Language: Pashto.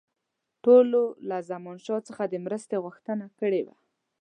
ټولو له زمانشاه څخه د مرستې غوښتنه کړې وه.